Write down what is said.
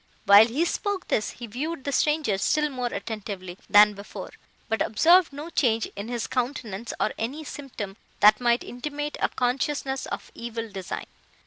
"While he spoke this, he viewed the stranger still more attentively than before, but observed no change in his countenance, or any symptom, that might intimate a consciousness of evil design.